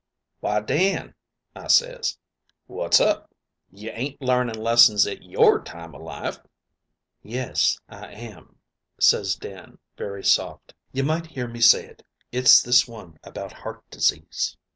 "Why, Dan,' I ses, 'what's up? you ain't larning lessons at your time o' life?" "'Yes, I am,' ses Dan very soft. 'You might hear me say it, it's this one about heart disease.'